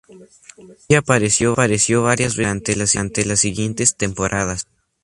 Ella apareció varias veces durante las siguientes temporadas.